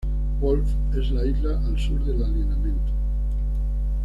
Wolf es la isla al sur del alineamiento.